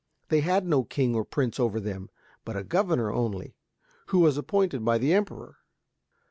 They had no king or prince over them, but a governor only, who was appointed by the Emperor.